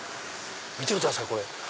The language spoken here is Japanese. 見てくださいこれ。